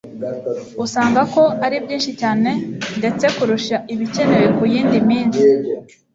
usanga ko ari byinshi cyane ndetse kurusha ibikenerwa ku yindi minsi.